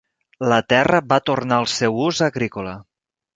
La terra va tornar al seu ús agrícola.